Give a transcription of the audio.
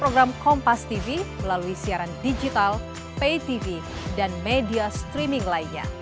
program kompastv melalui siaran digital paytv dan media streaming lainnya